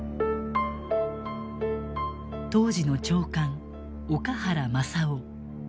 当時の長官岡原昌男。